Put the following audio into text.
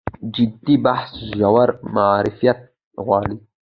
جدي بحث ژور معرفت غواړي.